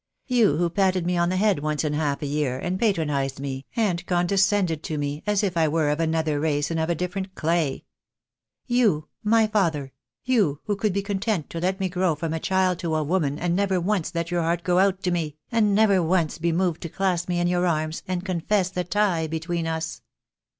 You who patted me on the head once in half a year, and patronized me, and con descended to me , as if I were of another race and of a different clay. You, my father — you who could be con tent to let me grow from a child to a woman and never once let your heart go out to me, and never once be moved to clasp me in your arms and confess the tie be tween us.